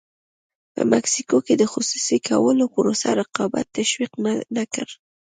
په مکسیکو کې د خصوصي کولو پروسه رقابت تشویق نه کړ.